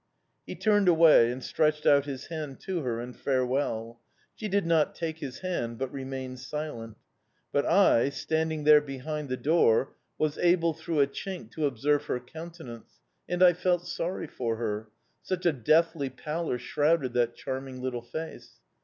"He turned away, and stretched out his hand to her in farewell. She did not take his hand, but remained silent. But I, standing there behind the door, was able through a chink to observe her countenance, and I felt sorry for her such a deathly pallor shrouded that charming little face!